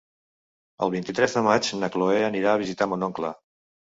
El vint-i-tres de maig na Cloè anirà a visitar mon oncle.